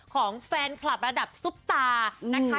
ของแฟนคลับระดับซุปตานะคะ